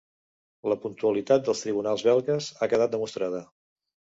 La puntualitat dels tribunals belgues ha quedat demostrada.